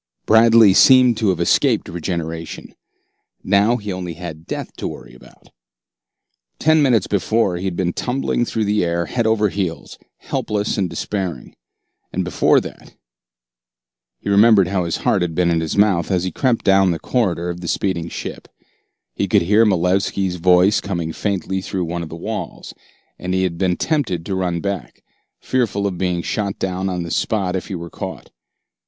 Bradley seemed to have escaped regeneration. Now he had only death to worry about. Ten minutes before, he had been tumbling through the air head over heels, helpless and despairing. And before that He remembered how his heart had been in his mouth as he had crept down the corridor of the speeding ship. He could hear Malevski's voice coming faintly through one of the walls, and had been tempted to run back, fearful of being shot down on the spot if he were caught.